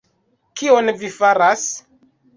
kion vi faras?